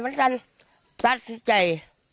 มันสั้นสัดสิทธิ์ใจ